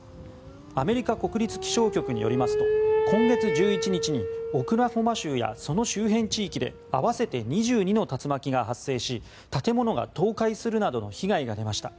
アメリカ国立気象局によりますと今月１１日にオクラホマ州やその周辺地域で合わせて２２の竜巻が発生し建物が倒壊するなどの被害が出ました。